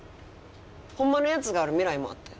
ホンマのやつがある未来もあったよ。